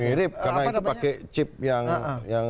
mirip karena itu pakai chip yang